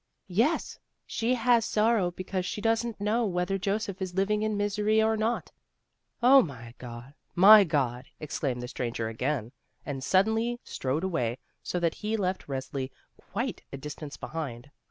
"Yes, she has sorrow, because she doesn't know whether Joseph is living in misery or not." "Oh, my God! my God!" exclaimed the stran ger again, and suddenly strode away so that he left Resli quite a distance behiad.